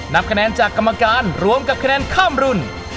นับคะแนนจากกรรมการรวมกับคะแนนข้ามรุ่น